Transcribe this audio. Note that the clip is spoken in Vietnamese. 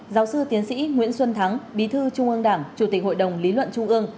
giáo sư tiến sĩ nguyễn xuân thắng bí thư trung ương đảng chủ tịch hội đồng lý luận trung ương